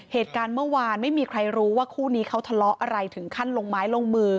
เหตุการณ์เมื่อวานไม่มีใครรู้ว่าคู่นี้เขาทะเลาะอะไรถึงขั้นลงไม้ลงมือ